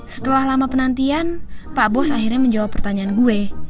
setelah lama penantian pak bos akhirnya menjawab pertanyaan gue